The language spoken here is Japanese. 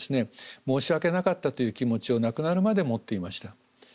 申し訳なかったという気持ちを亡くなるまで持っていました。